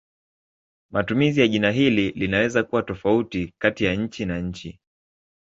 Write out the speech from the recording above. Matumizi ya jina hili linaweza kuwa tofauti kati ya nchi na nchi.